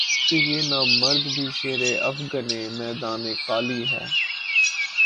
کہ یہ نامرد بھی شیر افگنِ میدانِ قالی ہے